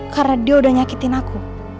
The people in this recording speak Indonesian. karena dia udah nyakitin aku